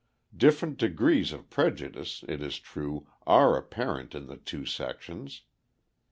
Different degrees of prejudice, it is true, are apparent in the two sections.